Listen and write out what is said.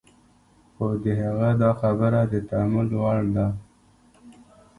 خو د هغه دا خبره د تأمل وړ ده.